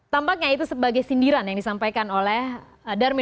tampaknya itu sebagai sindiran yang disampaikan oleh bursa efek indonesia